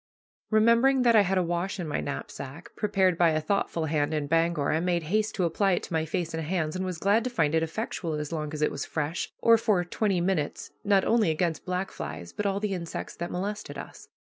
Remembering that I had a wash in my knapsack, prepared by a thoughtful hand in Bangor, I made haste to apply it to my face and hands, and was glad to find it effectual, as long as it was fresh, or for twenty minutes, not only against black flies, but all the insects that molested us.